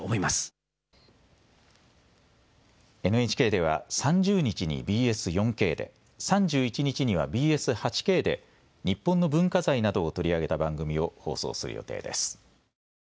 ＮＨＫでは３０日にＢＳ４Ｋで、３１日にはＢＳ８Ｋで日本の文化財などを取り上げた番組を放送する予定です。